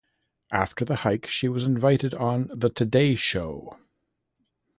After the hike she was invited on the "Today Show".